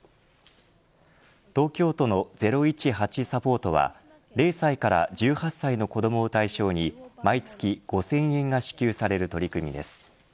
東京都の０１８サポートは０歳から１８歳の子どもを対象に毎月５０００円が支給される取り組みです。